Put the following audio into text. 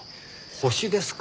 星ですか。